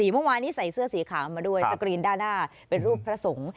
เมื่อวานนี้ใส่เสื้อสีขาวมาด้วยสกรีนด้านหน้าเป็นรูปพระสงฆ์